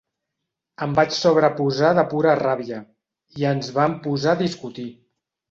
Em vaig sobreposar de pura ràbia i ens vam posar a discutir.